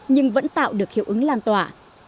nhưng vẫn tạo được hiệu ứng lan tỏa